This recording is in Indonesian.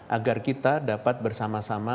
agar kita dapat bersama sama